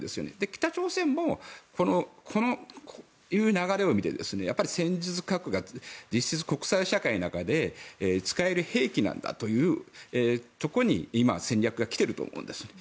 北朝鮮もこういう流れを見てやっぱり戦術核が国際社会の中で使える兵器なんだというところに今、戦略は来ていると思うんです。